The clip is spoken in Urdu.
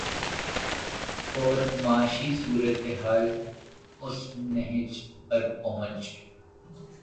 اور معاشی صورت حال اس نہج پر پہنچ